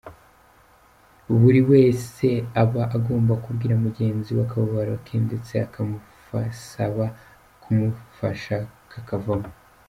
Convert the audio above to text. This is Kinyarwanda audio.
Buri wese aba agomba kubwira mugenzi we akababaro ke ndetse akamusaba kumufasha kukavamo.